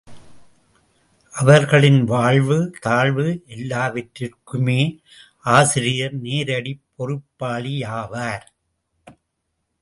அவர்களின் வாழ்வு, தாழ்வு எல்லாவற்றிற்குமே ஆசிரியர் நேரடிப் பொறுப்பாளியாவார்.